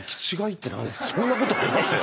そんなことあります？